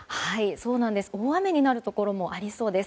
大雨になるところもありそうです。